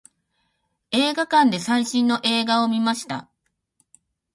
映画館で最新の映画を見ました。